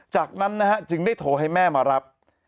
จากนั้นนะฮะจึงได้โทรให้แม่มารับ